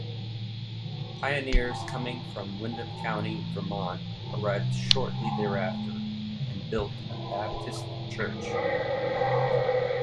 Pioneers coming from Windham County, Vermont arrived shortly thereafter and built a Baptist church.